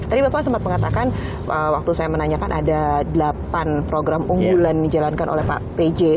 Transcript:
tadi bapak sempat mengatakan waktu saya menanyakan ada delapan program unggulan dijalankan oleh pak pj